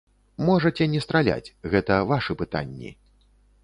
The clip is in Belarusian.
Можаце не страляць, гэта вашы пытанні.